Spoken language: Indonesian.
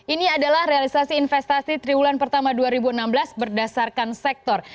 ini adalah realisasi investasi triwulan pertama dua ribu enam belas berdasarkan sektor